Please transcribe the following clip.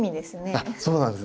あっそうなんです。